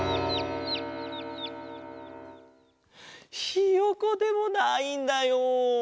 ひよこでもないんだよ。